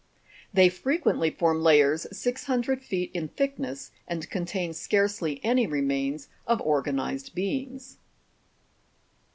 They frequently form layers six hundred feet in thickness, and contain scarcely any remains of organized beings.